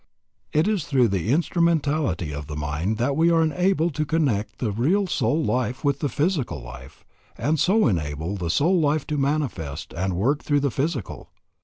It is through the instrumentality of the mind that we are enabled to connect the real soul life with the physical life, and so enable the soul life to manifest and work through the physical.